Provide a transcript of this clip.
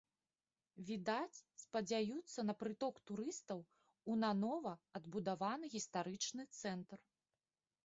Відаць, спадзяюцца на прыток турыстаў у нанова адбудаваны гістарычны цэнтр.